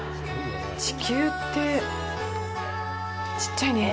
地球って、ちっちゃいね。